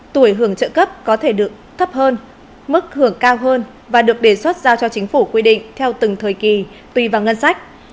tuổi hưởng trợ cấp có thể được thấp hơn mức hưởng cao hơn và được đề xuất giao cho chính phủ quy định theo từng thời kỳ tùy vào ngân sách